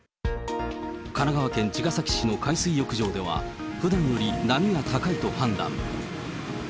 神奈川県茅ヶ崎市の海水浴場では、ふだんより波が高いと判断。